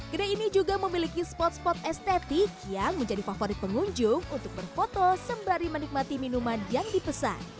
kedai ini juga memiliki spot spot estetik yang menjadi favorit pengunjung untuk berfoto sembari menikmati minuman yang dipesan